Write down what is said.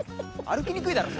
歩きにくいだろ。